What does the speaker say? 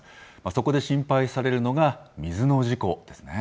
そこで心配されるのが、水の事故ですよね。